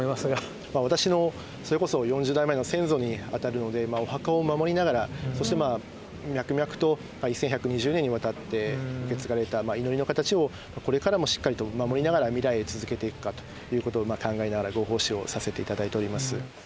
私のそれこそ４０代前の先祖にあたるのでお墓を守りながらそして脈々と１，１２０年にわたって受け継がれた祈りの形をこれからもしっかりと守りながら未来へ続けていくかということを考えながらご奉仕をさせて頂いております。